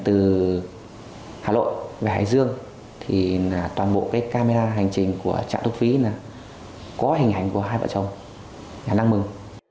từ hà nội về hải dương thì toàn bộ camera hành trình của trạm thuốc phí là có hình ảnh của hai vợ chồng nhà năng mừng